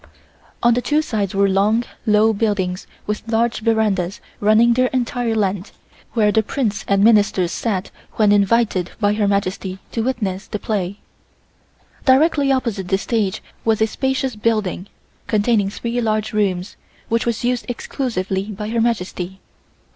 On the two sides were long, low buildings with large verandas running their entire length, where the Princes and Ministers sat when invited by Her Majesty to witness the play. Directly opposite this stage was a spacious building, containing three large rooms, which was used exclusively by Her Majesty.